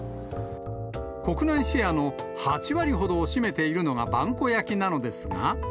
国内シェアの８割ほどを占めているのが萬古焼なのですが。